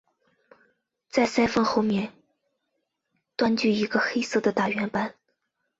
在鳃缝后面上端据一个黑色大圆斑。